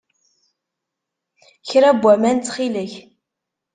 Kra n waman, ttxil-k.